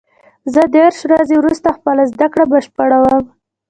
زه دېرش ورځې وروسته خپله زده کړه بشپړوم.